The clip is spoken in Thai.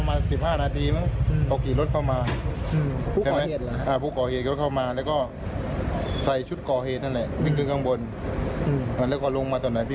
ไม่มีใครรู้ว่าเขาไปก่อเหตุมาต่อมาหรือเปล่าไม่มี